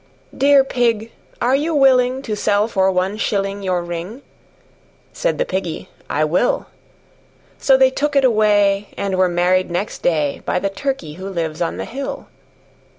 III. "Dear Pig, are you willing to sell for one shilling Your ring?" Said the Piggy, "I will." So they took it away, and were married next day By the Turkey who lives on the hill.